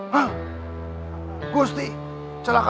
hah gusti celaka tujuh belas